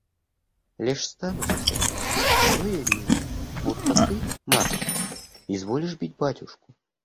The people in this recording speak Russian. Лишь стану засыпать, то и вижу, будто ты, матушка, изволишь бить батюшку.